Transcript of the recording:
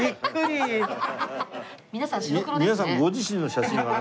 皆さんご自身の写真は。